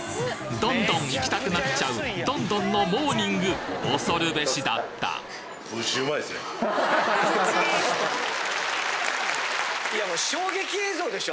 どんどん行きたくなっちゃうどんどんのモーニング恐るべしだったもう衝撃映像でしょ